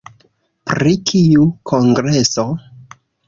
Pri kiu kongreso?